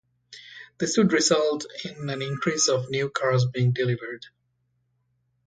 This would result in an increase of new cars being delivered.